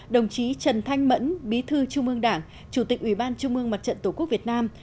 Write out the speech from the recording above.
đồng chí trần thanh mẫn bí thư trung ương đảng chủ tịch ủy ban trung ương mặt trận tổ quốc việt nam